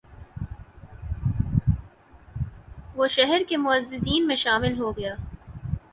وہ شہر کے معززین میں شامل ہو گیا